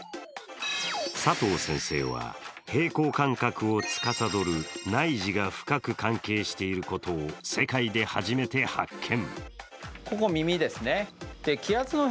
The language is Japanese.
佐藤先生は、平衡感覚をつかさどる内耳が深く関係していることを世界で初めて発見。